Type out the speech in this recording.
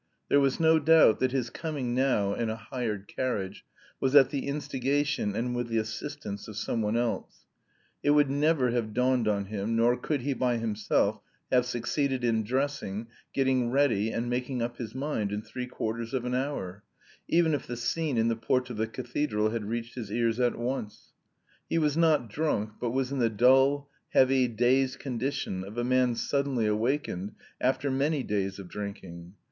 There was no doubt that his coming now (in a hired carriage) was at the instigation and with the assistance of someone else; it would never have dawned on him, nor could he by himself have succeeded in dressing, getting ready and making up his mind in three quarters of an hour, even if the scene in the porch of the cathedral had reached his ears at once. He was not drunk, but was in the dull, heavy, dazed condition of a man suddenly awakened after many days of drinking.